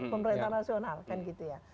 pemerintah nasional kan gitu ya